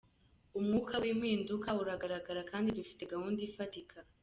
Umwuka w’impinduka uragaragara kandi dufite gahunda ifatika.